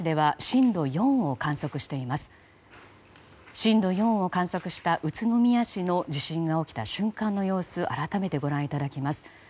震度４を観測した宇都宮市の地震が起きた瞬間の様子改めてご覧いただきます。